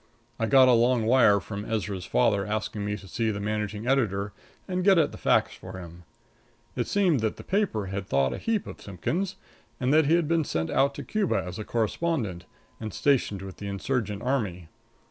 I got a long wire from Ezra's father asking me to see the managing editor and get at the facts for him. It seemed that the paper had thought a heap of Simpkins, and that he had been sent out to Cuba as a correspondent, and stationed with the Insurgent army.